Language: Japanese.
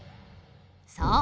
そう。